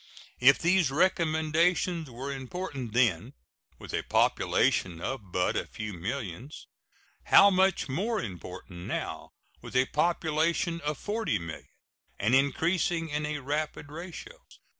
If these recommendations were important then, with a population of but a few millions, how much more important now, with a population of 40,000,000, and increasing in a rapid ratio.